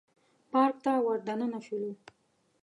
پارک ته ور دننه شولو.